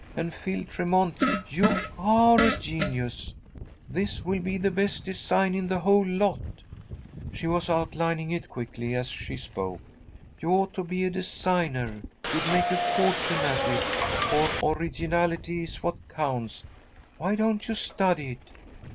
"And Phil Tremont, you are a genius. This will be the best design in the whole lot." She was outlining it quickly as she spoke. "You ought to be a designer. You'd make your fortune at it, for originality is what counts. Why don't you study it?"